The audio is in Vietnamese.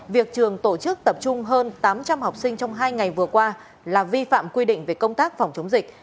việc trường tổ chức tập trung hơn tám trăm linh học sinh trong hai ngày vừa qua là vi phạm quy định về công tác phòng chống dịch